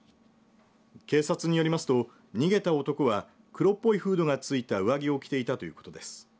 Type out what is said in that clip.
警察によりますと、逃げた男は黒っぽいフードが付いた上着を着ていたということです。